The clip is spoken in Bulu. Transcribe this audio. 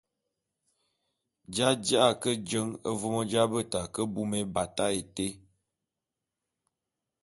J’aji’a ke jeñe vôm j’abeta ke bume ébatak été.